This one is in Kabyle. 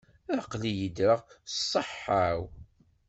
Aql-iyi ddreɣ, s ṣṣeḥḥa-w.